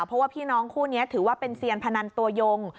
เพราะว่าพี่น้องคู่นี้ถือว่าเป็นเซียนพนันตัวยง